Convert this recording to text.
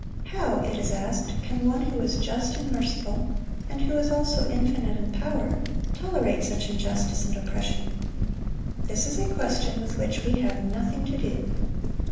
How, it is asked, can One who is just and merciful, and who is also infinite in power, tolerate such injustice and oppression? This is a question with which we have nothing to do.